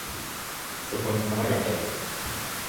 そこに花が咲いてる